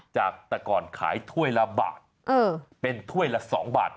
จากแต่ก่อนขายถ้วยละบาทเป็นถ้วยละ๒บาท